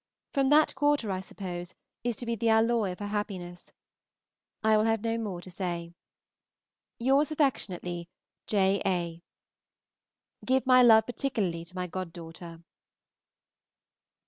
From that quarter, I suppose, is to be the alloy of her happiness. I will have no more to say. Yours affectionately, J. A. Give my love particularly to my goddaughter.